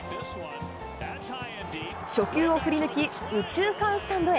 初球を振り抜き、右中間スタンドへ。